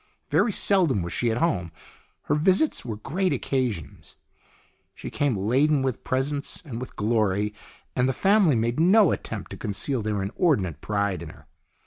Very seldom was she at home. Her visits were great occasions. She came laden with presents and with glory, and the family made no attempt to conceal their inordinate pride in her.